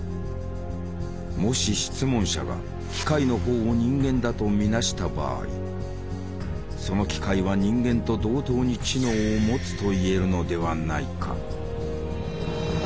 もし質問者が機械の方を人間だと見なした場合その機械は人間と同等に知能を持つと言えるのではないか。